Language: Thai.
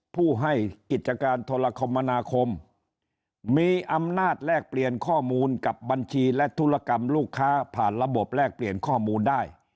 ผู้ให้กิจการโทรคมมนาคมมีอำนาจแลกเปลี่ยนข้อมูลกับบัญชีและธุรกรรมลูกค้าผ่านระบบแลกเปลี่ยนข้อมูลได้